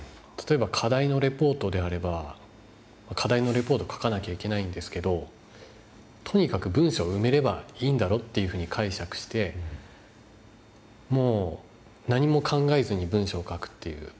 例えば課題のレポートであれば課題のレポート書かなきゃいけないんですけどとにかく文章埋めればいいんだろっていうふうに解釈してもう何も考えずに文章書くっていう。